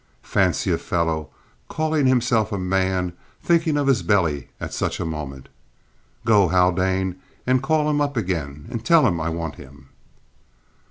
Fancy a fellow, calling himself a man, thinking of his belly at such a moment! Go, Haldane, and call him up again and tell him I want him."